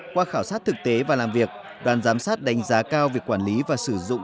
qua khảo sát thực tế và làm việc đoàn giám sát đánh giá cao việc quản lý và sử dụng